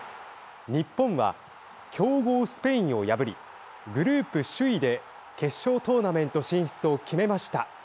日本は強豪スペインを破りグループ首位で決勝トーナメント進出を決めました。